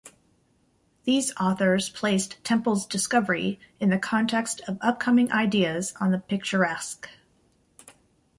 These authors placed Temple's discovery in the context of upcoming ideas on the picturesque.